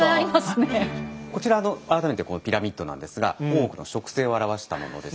こちらの改めてこうピラミッドなんですが大奥の職制を表したものです。